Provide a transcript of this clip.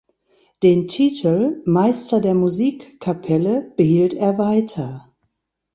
Den Titel "Meister der Musikkapelle" behielt er weiter.